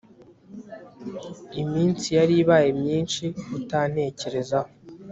Iminsi yari ibaye myinshi utantekerezaho